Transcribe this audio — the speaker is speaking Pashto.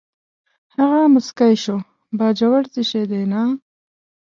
هغه موسکی شو: باجوړ څه شی دی، نه.